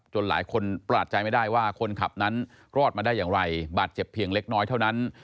หลายคนประหลาดใจไม่ได้ว่าคนขับนั้นรอดมาได้อย่างไรบาดเจ็บเพียงเล็กน้อยเท่านั้น